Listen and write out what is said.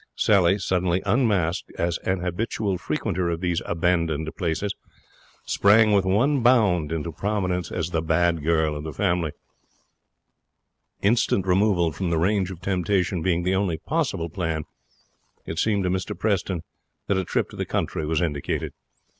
Sally, suddenly unmasked as an habitual frequenter of these abandoned places, sprang with one bound into prominence as the Bad Girl of the Family. Instant removal from the range of temptation being the only possible plan, it seemed to Mr Preston that a trip to the country was indicated.